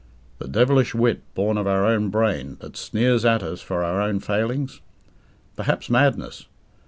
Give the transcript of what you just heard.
The devilish wit born of our own brain, that sneers at us for our own failings? Perhaps madness?